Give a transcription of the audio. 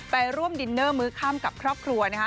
ไปร่วมดินเนอร์มื้อค่ำกับครอบครัวนะคะ